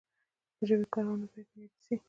د ژبي کارونه باید معیاري سی.